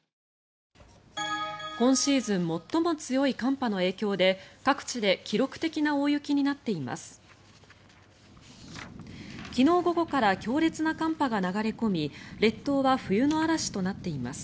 今シーズン最も強い寒波の影響で各地で記録的な大雪になっています。